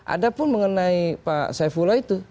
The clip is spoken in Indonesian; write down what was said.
ada pun mengenai pak saifullah itu